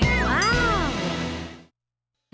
ว้าว